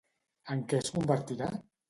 En què es convertirà?